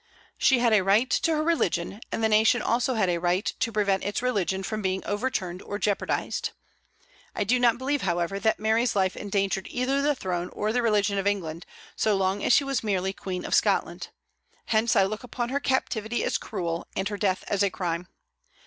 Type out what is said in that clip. She had a right to her religion; and the nation also had a right to prevent its religion from being overturned or jeopardized. I do not believe, however, that Mary's life endangered either the throne or the religion of England, so long as she was merely Queen of Scotland; hence I look upon her captivity as cruel, and her death as a crime.